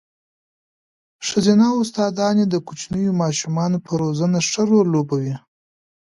ښځينه استاداني د کوچنيو ماشومانو په روزنه ښه رول لوبوي.